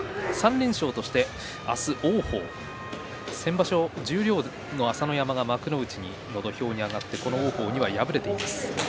３連勝して明日、王鵬先場所、十両の朝乃山が幕内の土俵に上がってこの王鵬には敗れています。